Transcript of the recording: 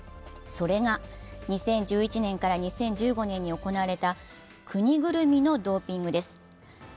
それが２０１１年から２０１５年に行われた国ぐるみのドーピングです。